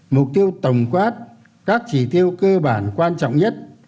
mục tiêu tổng quát các chỉ tiêu cơ bản quan trọng nhất